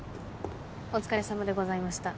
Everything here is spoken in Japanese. お疲れさまでございました。